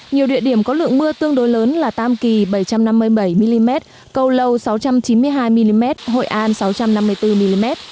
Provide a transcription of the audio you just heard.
nhiều địa điểm có lượng mưa tương đối lớn là tam kỳ bảy trăm năm mươi bảy mm cầu lâu sáu trăm chín mươi hai mm hội an sáu trăm năm mươi bốn mm